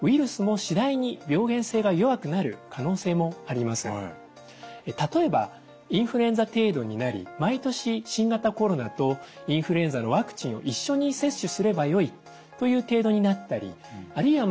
恐らくこのような一方で例えばインフルエンザ程度になり毎年新型コロナとインフルエンザのワクチンを一緒に接種すればよいという程度になったりあるいは